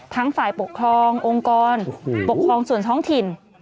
ฝ่ายปกครององค์กรปกครองส่วนท้องถิ่น